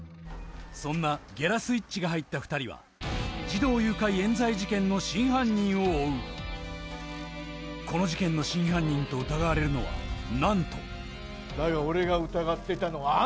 そんなゲラスイッチが入った２人は児童誘拐冤罪事件の真犯人を追うこの事件の真犯人と疑われるのはなんとだが俺が疑ってたのはあんただ。